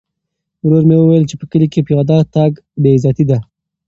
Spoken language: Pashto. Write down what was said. ورور مې وویل چې په کلي کې پیاده تګ بې عزتي ده.